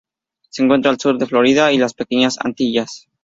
Se encuentra al sur de Florida y las Pequeñas Antillas.